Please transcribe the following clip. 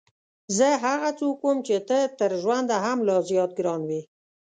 زه هغه څوک وم چې ته تر ژونده هم لا زیات ګران وې.